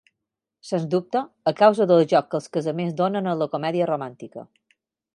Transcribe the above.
Sens dubte, a causa del joc que els casaments donen a la comèdia romàntica.